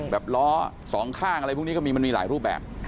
ล้อสองข้างอะไรพวกนี้ก็มีมันมีหลายรูปแบบ